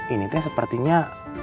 ini tuh sepertinya